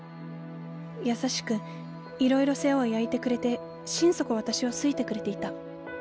優しくいろいろ世話を焼いてくれて心底私を好いてくれていた。